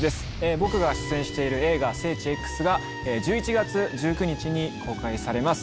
僕が出演している映画『聖地Ｘ』が１１月１９日に公開されます。